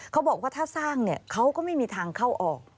เขาบอกว่าถ้าสร้างเนี่ยเขาก็ไม่มีทางเข้าออก